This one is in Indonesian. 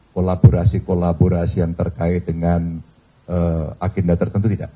kolaborasi kolaborasi yang terkait dengan agenda tertentu tidak